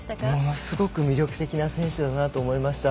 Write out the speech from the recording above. すごく魅力的な選手だと思いました。